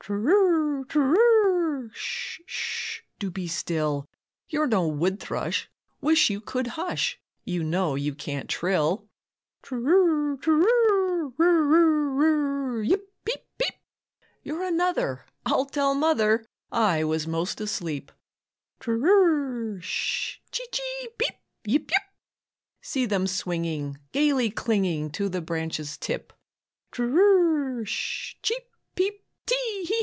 "Tr'r, tr'r, sh, sh, do be still, You're no wood thrush, wish you could hush, You know you can't trill." "Tr'r, tr'r, r'r, r'r, yip, peep, peep, You're another, I'll tell mother, I was most asleep." "Tr'r, sh, chee, chee, peep, yip, yip!" See them swinging, gaily clinging To the branch's tip. "Tr'r, sh, cheep, peep, tee, hee, hee!"